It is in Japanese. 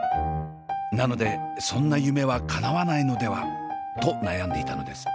なのでそんな夢はかなわないのではと悩んでいたのです。